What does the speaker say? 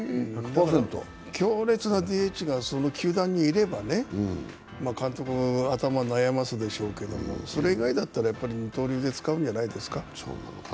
強烈なＤＨがその球団にいればね、監督は頭を悩ますでしょうけど、それ以外だったらやっぱり二刀流で使うんじゃないですか。